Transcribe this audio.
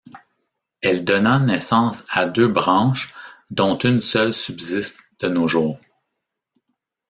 Elle donna naissance à deux branches dont une seule subsiste de nos jours.